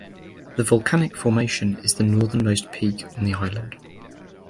The volcanic formation is the northernmost peak on the island.